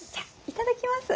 いただきます。